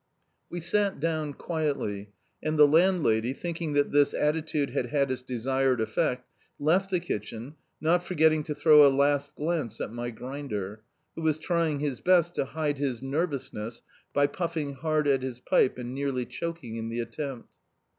We sat down Dictzed by Google The Autobiography of a Super Tramp quietly, and the landlady, thinking that this atti tude bad had its desired effect, left the Icitcheo, not forgetting to throw a last glance at my grinder, who was trying his best to hide his nervousness by puffing hard at his pipe and nearly choking in the attempt.